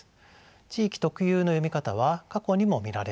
地域特有の読み方は過去にも見られます。